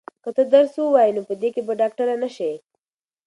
که ته درس ووایې نو په دې کې به ډاکټره نه شې.